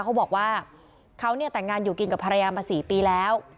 เขาบอกว่าเขาเนี่ยแต่งงานอยู่กินกับภรรยามา๔ปีแล้ว